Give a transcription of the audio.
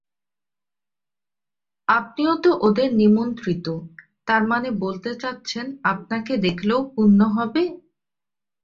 আপনিও তো ওদের নিমন্ত্রিত, তার মানে বলতে চাচ্ছেন, আপনাকে দেখলেও পুণ্য হবে?